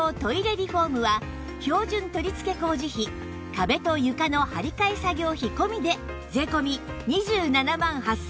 リフォームは標準取り付け工事費壁と床の張り替え作業費込みで税込２７万８０００円です